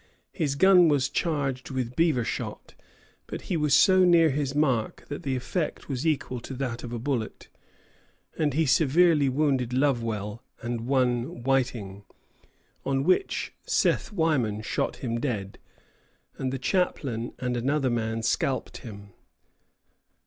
His gun was charged with beaver shot; but he was so near his mark that the effect was equal to that of a bullet, and he severely wounded Lovewell and one Whiting; on which Seth Wyman shot him dead, and the chaplain and another man scalped him.